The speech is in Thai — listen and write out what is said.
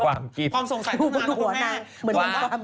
ความสงสัยตั้งนานนะคุณแม่